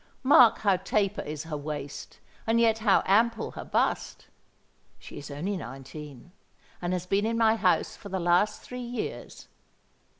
Mark how taper is her waist, and yet how ample her bust! She is only nineteen, and has been in my house for the last three years.